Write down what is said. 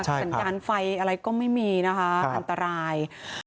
สัญญาณไฟอะไรก็ไม่มีนะคะอันตราย